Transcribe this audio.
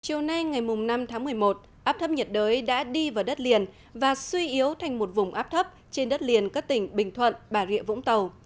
chiều nay ngày năm tháng một mươi một áp thấp nhiệt đới đã đi vào đất liền và suy yếu thành một vùng áp thấp trên đất liền các tỉnh bình thuận bà rịa vũng tàu